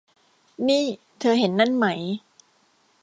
นี่ เธอเห็นนั่นไหม